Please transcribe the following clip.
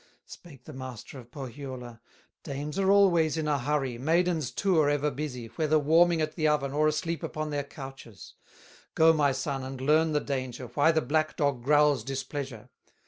Spake the master of Pohyola: "Dames are always in a hurry, Maidens too are ever busy, Whether warming at the oven, Or asleep upon their couches; Go my son, and learn the danger, Why the black dog growls displeasure."